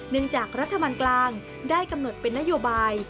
เนื่องจากรัฐมันกลางได้กำหนดเป็นนโยบาย